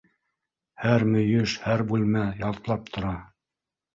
Һәр мөйөш, һәр бүлмә ялтлап тора.